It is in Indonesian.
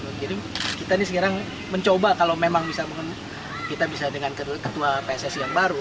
jadi kita ini sekarang mencoba kalau memang bisa kita bisa dengan ketua pssi yang baru